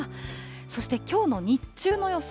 そしてきょうの日中の予想